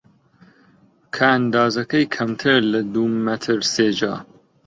کە ئەندازەکەی کەمترە لە دوو مەتر سێجا